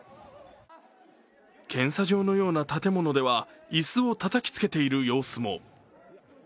検査場のような建物では椅子をたたきつけている様子も。